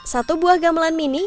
satu buah gamelan mini